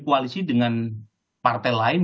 koalisi dengan partai lain